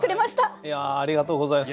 ありがとうございます。